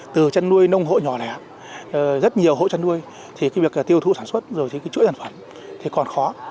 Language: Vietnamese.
tiêu thụ sản xuất rồi thì cái chuỗi sản phẩm thì còn khó